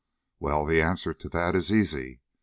Well, the answer to that is easy.